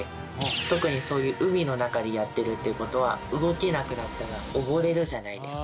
特にそういう海の中でやってるっていう事は動けなくなったら溺れるじゃないですか。